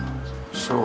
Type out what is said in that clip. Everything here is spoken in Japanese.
そう。